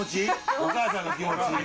お母さんの気持ち。